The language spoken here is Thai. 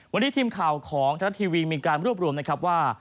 วันนี้ทีมข่าวของทรัฐทีวีมีการรวบรวมนะครับว่า